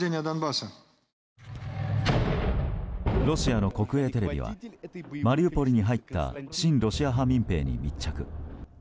ロシアの国営テレビはマリウポリに入った親ロシア派民兵に密着。